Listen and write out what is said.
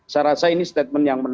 saya rasa ini statement yang menarik